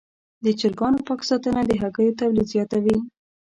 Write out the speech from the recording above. د چرګانو پاک ساتنه د هګیو تولید زیاتوي.